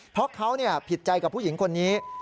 เพราะเขาผิดใจกับผู้หญิงคนนี้